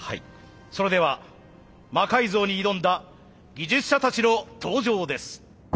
それでは魔改造に挑んだ技術者たちの登場です。